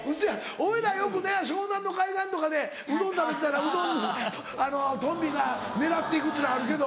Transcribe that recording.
俺らよくね湘南の海岸とかでうどん食べてたらうどんトンビが狙って行くっていうのはあるけど。